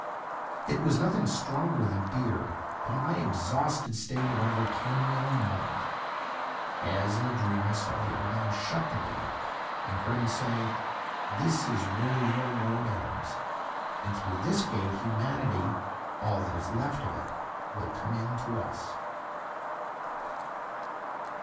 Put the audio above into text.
It was nothing stronger than beer, but in my exhausted state it overcame me in a moment. As in a dream, I saw the old man shut the gate, and heard him say: "This is where your road ends, and through this gate humanity—all that is left of it—will come in to us."